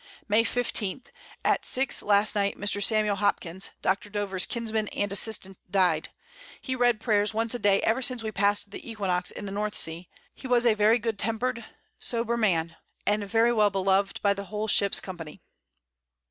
May 15. At 6 last Night Mr. Samuel Hopkins, Dr. Dover's Kinsman and Assistant, died; he read Prayers once a Day ever since we pass'd the Equinox in the North Sea: He was a very good temper'd sober Man, and very well beloved by the whole Ship's Company.